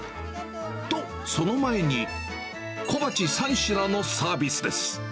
と、その前に、小鉢３品のサービスです。